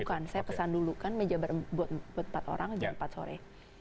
bukan saya pesan dulu kan meja buat empat orang jam empat sore